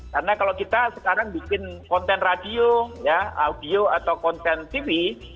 karena kalau kita sekarang bikin konten radio audio atau konten tv